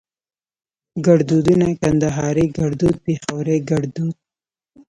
ګړدودونه کندهاري ګړدود پېښوري ګړدود